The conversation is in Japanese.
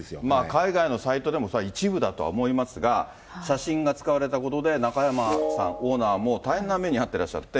海外のサイトでもそれは一部だと思いますが、写真が使われたことで、中山さん、オーナーも大変な目に遭ってらっしゃって。